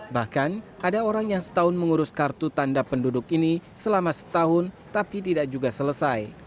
bahkan ada orang yang setahun mengurus kartu tanda penduduk ini selama setahun tapi tidak juga selesai